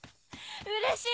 うれしい！